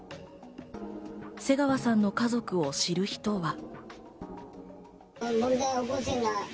瀬川さんの家族を知る人は。